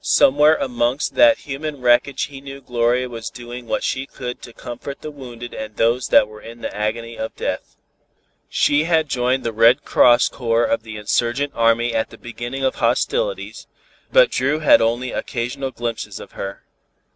Somewhere amongst that human wreckage he knew Gloria was doing what she could to comfort the wounded and those that were in the agony of death. She had joined the Red Cross Corps of the insurgent army at the beginning of hostilities, but Dru had had only occasional glimpses of her.